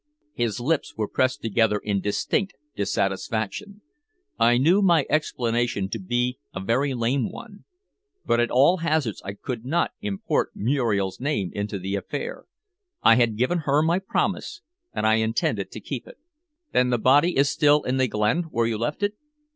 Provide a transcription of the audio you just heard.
His lips were pressed together in distinct dissatisfaction. I knew my explanation to be a very lame one, but at all hazards I could not import Muriel's name into the affair. I had given her my promise, and I intended to keep it. "Then the body is still in the glen, where you left it?"